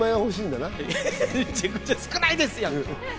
めちゃめちゃ少ないですよ。